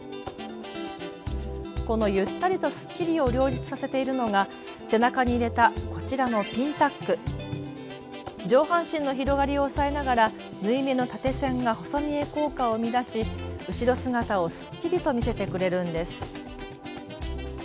このゆったりとすっきりを両立させているのが背中に入れたこちらの上半身の広がりを抑えながら縫い目の縦線が細見え効果を生み出し後ろ姿をすっきりと見せてくれるんです。